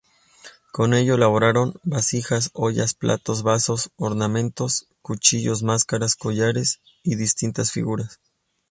Con ello elaboraron vasijas, ollas, platos, vasos, ornamentos, cuchillos, máscaras, collares y distintas figuras.